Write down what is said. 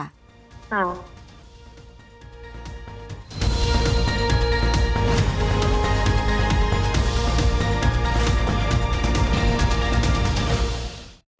เอา